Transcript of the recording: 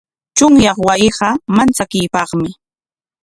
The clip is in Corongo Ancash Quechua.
Chunyaq wasiqa manchakuypaqmi.